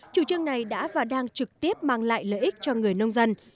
chủ trương này đã và đang trực tiếp mang lại lợi ích cho người nông dân